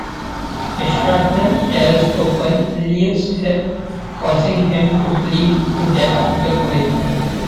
The shrapnel tears open Leer's hip, causing him to bleed to death quickly.